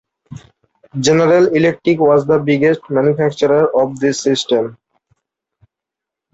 General Electric was the biggest manufacturer of these systems.